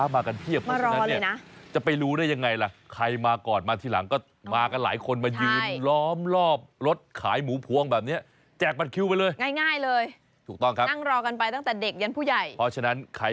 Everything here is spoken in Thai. ปัจจุบันร้านเขาขายหมูพวงเฉลี่ยได้